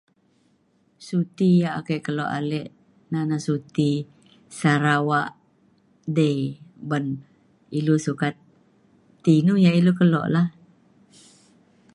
suti ya' ake keluk ale na na suti Sarawak Day, ban ilu sukat ti inu ya' ilu kelok la.